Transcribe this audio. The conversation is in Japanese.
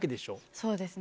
そうですね。